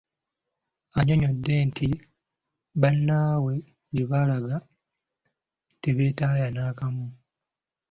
Annyonnyodde nti bannaabwe gye baalaga tebeetaaya n'akamu.